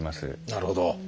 なるほど。